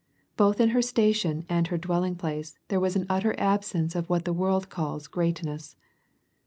Both in her station and her dwelling place, there was an utter absence of what the world calls "greatness."